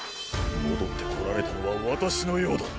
戻ってこられたのは私のようだ。